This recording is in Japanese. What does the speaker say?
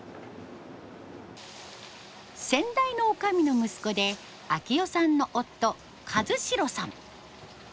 先代の女将の息子で章代さんの夫和城さん。